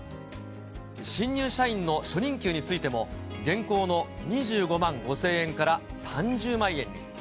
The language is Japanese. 新入社員の初任給についても、現行の２５万５０００円から３０万円に。